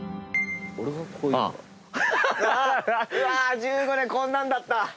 １５年こんなだった！